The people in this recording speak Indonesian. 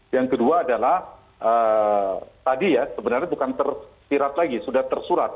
yang kedua adalah tadi ya sebenarnya bukan tersirat lagi sudah tersurat